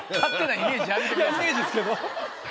イメージですけど。